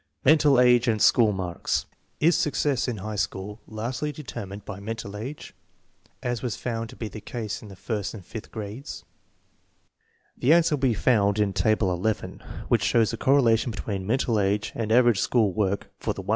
Mental age and school marks. Is success in high school largely determined by mental age, as was found to be the case in the first and fifth grades? The answer will be found in Table 11, which shows the correlation between mental age and average school mark for the 111 pupils who are still in school.